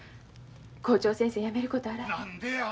校長先生やめることあらへん。